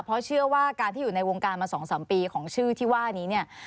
เพราะเชื่อว่าการที่อยู่ในวงการมา๒๓ปีของชื่อที่ว่านี้เนี่ย